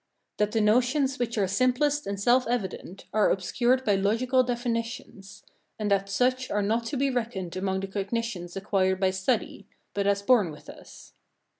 That the notions which are simplest and self evident, are obscured by logical definitions; and that such are not to be reckoned among the cognitions acquired by study, [but as born with us].